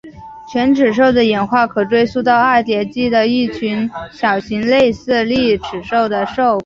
犬齿兽的演化可追溯到二叠纪的一群小型类似丽齿兽的兽孔目。